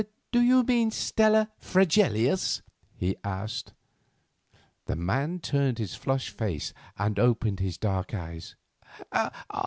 "Do you mean Stella Fregelius?" he asked. The man turned his flushed face and opened his dark eyes.